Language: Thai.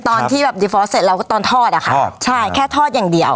ตอนที่แบบดีฟอสเสร็จแล้วตอนทอดอะค่ะใช่แค่ทอดอย่างเดียว